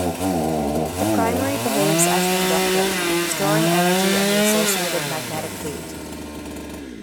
The primary behaves as an inductor, storing energy in the associated magnetic field.